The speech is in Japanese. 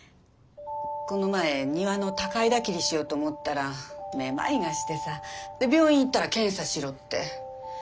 この前庭の高枝切りしようと思ったらめまいがしてさで病院行ったら検査しろって。